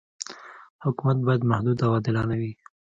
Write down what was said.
حکومت باید محدود او عادلانه وي.